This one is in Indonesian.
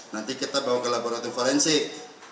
nanti kita bawa ke laboratorium forensik